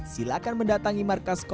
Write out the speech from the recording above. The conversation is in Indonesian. silakan mendatangi markasnya